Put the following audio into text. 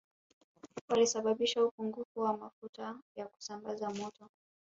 Walisababisha upungufu wa mafuta ya kusambaza moto